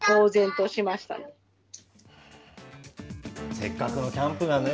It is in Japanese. せっかくのキャンプがね。